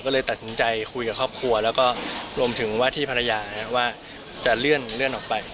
ก็เลยตัดสินใจคุยกับครอบครัวแล้วก็รวมถึงว่าที่ภรรยาว่าจะเลื่อนออกไป